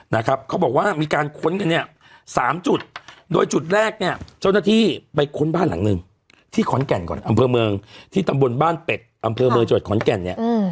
นะครับเขาบอกว่ามีการค้นกันเนี่ยสามจุดโดยจุดแรกเนี่ยเจ้าหน้าที่ไปค้นบ้านหลังหนึ่งที่ขอนแก่นก่อนอำเภอเมืองที่ตำบลบ้านเป็ดอำเภอเมืองจังหวัดขอนแก่นเนี่ย